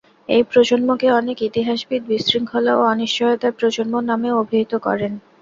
এই প্রজন্মকে অনেক ইতিহাসবিদ বিশৃঙ্খলা ও অনিশ্চয়তার প্রজন্ম নামেও অভিহিত করেন।